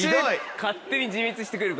勝手に自滅してくれるから。